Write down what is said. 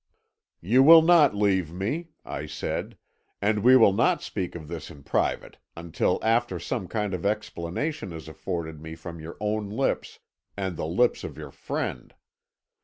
"'You will not leave me,' I said, 'and we will not speak of this in private, until after some kind of explanation is afforded me from your own lips and the lips of your friend.